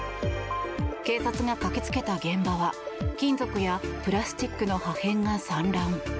警察が駆けつけた現場は金属やプラスチックの破片が散乱。